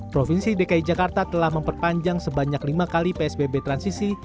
provinsi dki jakarta telah memperpanjang sebanyak lima kali psbb transisi